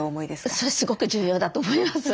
それすごく重要だと思います。